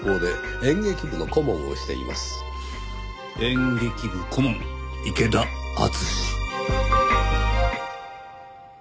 演劇部顧問池田淳。